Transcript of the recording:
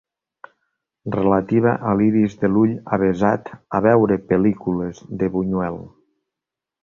Relativa a l'iris de l'ull avesat a veure pel·lícules de Buñuel.